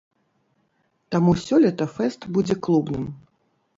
Таму сёлета фэст будзе клубным.